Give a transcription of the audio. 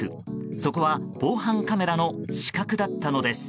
そこは防犯カメラの死角だったのです。